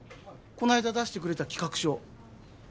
こないだ出してくれた企画書。